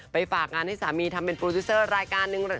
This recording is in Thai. ฝากงานให้สามีทำเป็นโปรดิวเซอร์รายการหนึ่ง